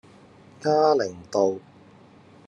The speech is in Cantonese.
嘉齡道